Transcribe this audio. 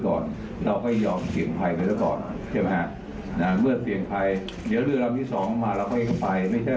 ถ้าไม่มีภูมิเสียสละกันฮะไปไม่ได้